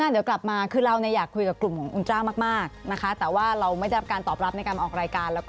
เดี๋ยวครอบครั้งสักครู่ช่วงหน้าเดี๋ยวกลับมา